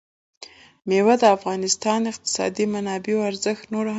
مېوې د افغانستان د اقتصادي منابعو ارزښت نور هم زیاتوي.